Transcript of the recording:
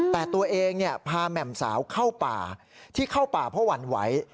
แต่ตัวเองพาแหม่มสาวเข้าป่าที่เข้าป่าเพราะหวั่นไหว